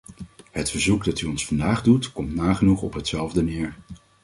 Het verzoek dat u ons vandaag doet, komt nagenoeg op hetzelfde neer.